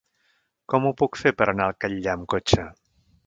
Com ho puc fer per anar al Catllar amb cotxe?